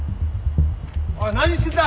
おい何してんだ！